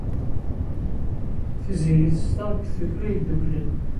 Tiziri tezdeɣ deg Tgelda Yedduklen.